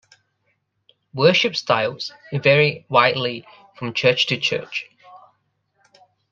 Worship styles vary widely from church to church.